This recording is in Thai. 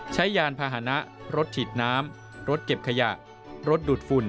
ยานพาหนะรถฉีดน้ำรถเก็บขยะรถดูดฝุ่น